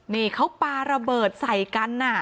นี่เขาปลาระเบิดใส่กัน